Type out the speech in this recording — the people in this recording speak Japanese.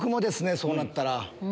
そうなったら。